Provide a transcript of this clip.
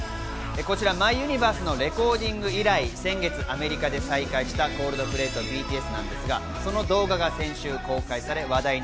こちらレコーディング以来、先月アメリカで再会したＣｏｌｄｐｌａｙとＢＴＳですが、動画が先週公開され話題に。